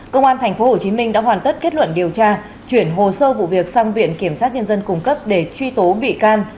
công an tp hcm đã hoàn tất kết luận điều tra chuyển hồ sơ vụ việc sang viện kiểm sát nhân dân cung cấp để truy tố bị can